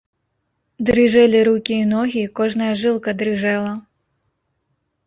Дрыжэлі рукі і ногі, кожная жылка дрыжэла.